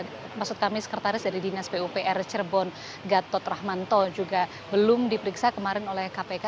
karena maksud kami sekretaris dari dinas pupr cirebon gatot rahmanto juga belum diperiksa kemarin oleh kpk